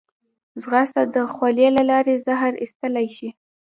ځغاسته د خولې له لارې زهر ایستلی شي